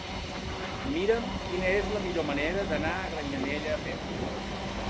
Mira'm quina és la millor manera d'anar a Granyanella a peu.